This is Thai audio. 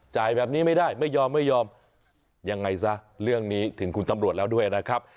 แบบนี้ไม่ได้ไม่ยอมไม่ยอมยังไงซะเรื่องนี้ถึงคุณตำรวจแล้วด้วยนะครับ